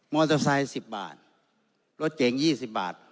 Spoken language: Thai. เตอร์ไซค์๑๐บาทรถเก๋ง๒๐บาท